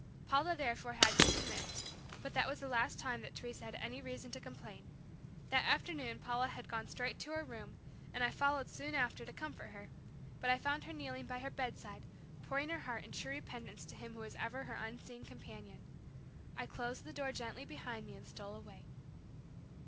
Paula therefore had to submit; but that was the last time that Teresa had any reason to complain. That afternoon Paula had gone straight to her room, and I followed soon after to comfort her, but I found her kneeling by her bedside pouring out her heart in true repentance to Him who was ever her unseen Companion. I closed the door gently behind me and stole away.